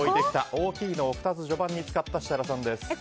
大きいのを序盤に２つ使った設楽さんです。